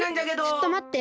ちょっとまって！